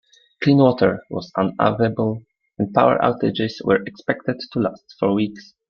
Clean water was unavailable, and power outages were expected to last for weeks.